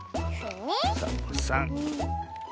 サボさん。